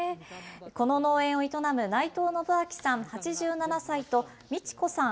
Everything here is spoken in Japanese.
この農園を営む内藤信明さん８７歳と、ミチ子さん